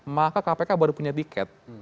maka kpk baru punya tiket